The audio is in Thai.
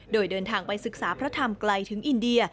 โดยเดินทางไปศึกษาพระธรรมไกลถึงอินเดีย